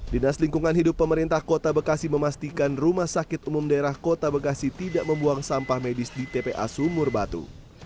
dinas lingkungan hidup pemerintah kota bekasi memastikan rumah sakit umum daerah kota bekasi tidak membuang sampah medis di tpa sumur batu